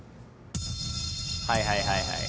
はいはいはいはい。